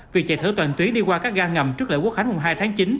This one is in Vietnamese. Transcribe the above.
việc chạy thử toàn tuyến đi qua các ga ngầm trước lễ quốc khánh hôm hai tháng chín